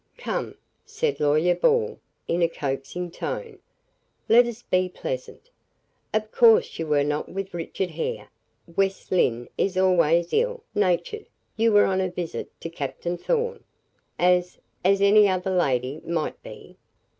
"Come," said Lawyer Ball, in a coaxing tone, "let us be pleasant. Of course you were not with Richard Hare West Lynne is always ill natured you were on a visit to Captain Thorn, as as any other young lady might be?"